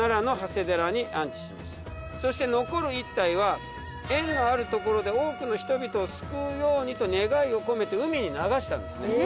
そして残る１体は縁のあるところで多くの人々を救うようにと願いを込めて海に流したんです。